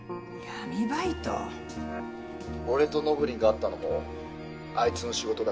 俺とのぶりんが会ったのもあいつの仕事だった。